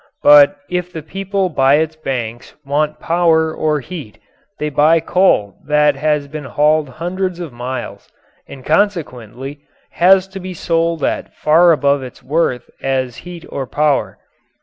But if the people by its banks want power or heat they buy coal that has been hauled hundreds of miles and consequently has to be sold at far above its worth as heat or power.